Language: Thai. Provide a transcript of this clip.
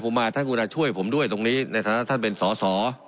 ผมมาท่านกุณาช่วยผมด้วยตรงนี้ในฐานะท่านเป็นสอสอ